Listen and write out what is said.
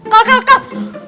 kal kal kal